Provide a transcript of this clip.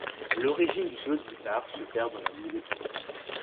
L'origine du solo de guitare se perd dans la nuit des temps.